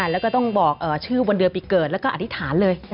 แล้วก็ต้องบอกชื่อวันเดือนปีเกิดแล้วก็อธิษฐานเลย